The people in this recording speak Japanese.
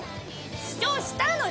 主張したのに。